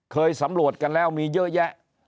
เคยสำรวจกันแล้วมีเยอะแยะ